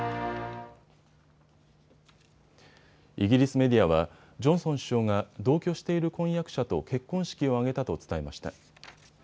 イギリスメディアはジョンソン首相が同居している婚約者と結婚式を挙げたと伝えました。